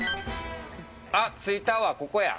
あっ、着いたわ、ここや。